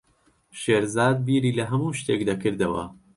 شێرزاد بیری لە هەموو شتێک دەکردەوە.